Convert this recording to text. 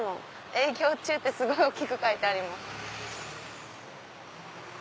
営業中ってすごい大きく書いてあります。